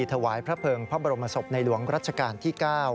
ถวายพระเภิงพระบรมศพในหลวงรัชกาลที่๙